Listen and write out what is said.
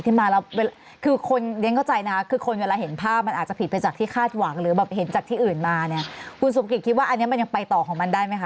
จริงก็จะใจนะคนเวลาเห็นภาพมันอาจจะผิดไปจากที่คาดหวัง